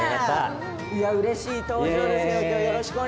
うれしい登場ですよ。